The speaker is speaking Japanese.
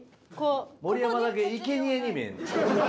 盛山だけいけにえに見えんねん。